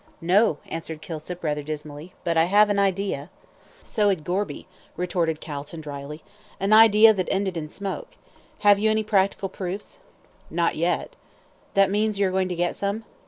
"No!" answered Kilsip, rather dismally; "but I have an idea." "So had Gorby," retorted Calton, dryly, "an idea that ended in smoke. Have you any practical proofs?" "Not yet." "That means you are going to get some?"